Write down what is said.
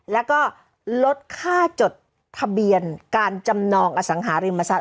แล้วก็ลดค่าจดทะเบียนการจำนองอสังหาริมทรัพย